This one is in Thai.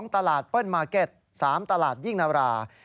ตลาดเปิ้ลมาร์เก็ต๓ตลาดยิ่งนารา